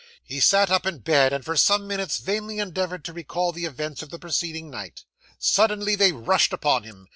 He sat up in bed, and for some minutes vainly endeavoured to recall the events of the preceding night. Suddenly they rushed upon him.